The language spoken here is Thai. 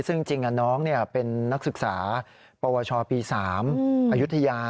ซึ่งจริงน้องเป็นนักศึกษาปวชปี๓อายุทยา